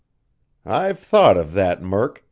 "I've thought of that, Murk.